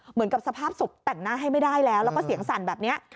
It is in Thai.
เหมือนกับสภาพศพแต่งหน้าให้ไม่ได้แล้วแล้วก็เสียงสั่นแบบนี้